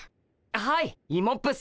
はいイモップっす。